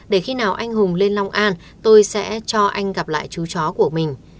để khi nào anh hùng lên long an tôi sẽ cho anh gặp lại chú chó của mình